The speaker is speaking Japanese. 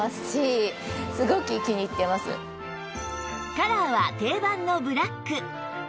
カラーは定番のブラック